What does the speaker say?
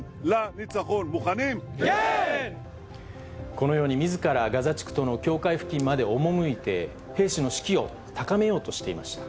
このようにみずからガザ地区との境界付近まで赴いて、兵士の士気を高めようとしていました。